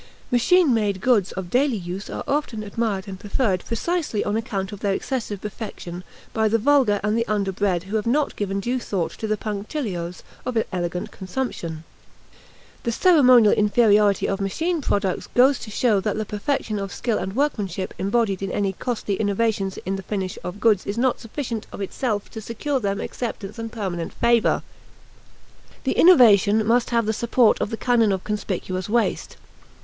Machine made goods of daily use are often admired and preferred precisely on account of their excessive perfection by the vulgar and the underbred who have not given due thought to the punctilios of elegant consumption. The ceremonial inferiority of machine products goes to show that the perfection of skill and workmanship embodied in any costly innovations in the finish of goods is not sufficient of itself to secure them acceptance and permanent favor. The innovation must have the support of the canon of conspicuous waste.